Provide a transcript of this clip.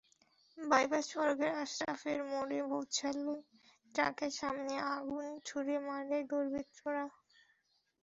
Bypass সড়কের আশরাফের মোড়ে পৌঁছালে ট্রাকের সামনে আগুন ছুড়ে মারে দুর্বৃত্তরা।